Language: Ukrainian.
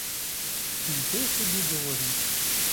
І йде собі до воріт.